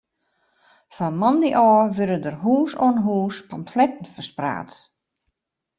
Fan moandei ôf wurde hûs oan hûs pamfletten ferspraat.